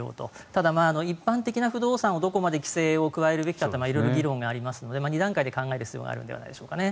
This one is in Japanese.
ただ、一般的な不動産をどこまで規制を加えるべきかは色々議論がありますので２段階で考える必要があるんじゃないでしょうかね。